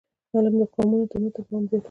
علم د قومونو ترمنځ تفاهم زیاتوي